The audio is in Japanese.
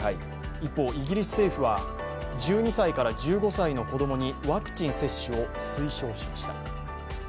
一方、イギリス政府は、１２歳から１５歳の子どもにワクチン接種を推奨しました。